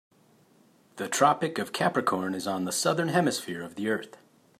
The Tropic of Capricorn is on the Southern Hemisphere of the earth.